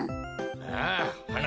ああはな